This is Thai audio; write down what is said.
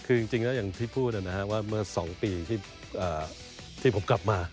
คือจริงแล้วอย่างที่พูดนะครับว่าเมื่อ๒ปีที่ผมกลับมา